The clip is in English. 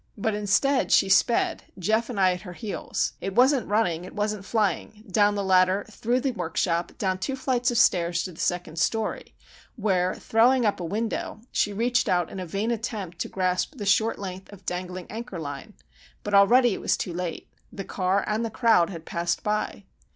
But instead she sped, Geof and I at her heels,—it wasn't running, it wasn't flying,—down the ladder through the workshop, down two flights of stairs to the second story, where, throwing up a window, she reached out in a vain attempt to grasp the short length of dangling anchor line. But already it was too late. The car and the crowd had passed by.